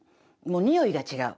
もうにおいが違う。